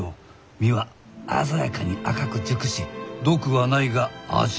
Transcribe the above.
実は鮮やかに赤く熟し毒はないが味もない。